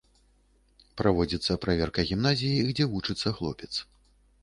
Праводзіцца праверка гімназіі, дзе вучыцца хлопец.